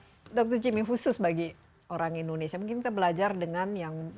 penyakit pun kan ya nah dokter jimmy khusus bagi orang indonesia mungkin kita belajar dengan yang